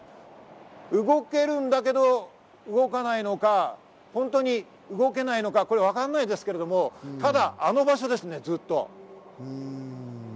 動けるんだけど動かないのか、本当に動けないのか、わからないんですけれども、ただあの場所をずっと。